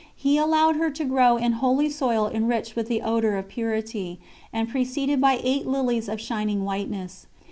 He allowed her to grow in holy soil enriched with the odour of purity, and preceded by eight lilies of shining whiteness.